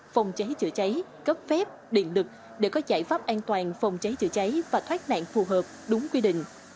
phòng cháy chữa cháy cấp phép điện lực để có giải pháp an toàn phòng cháy chữa cháy và thoát nạn phù hợp đúng quy định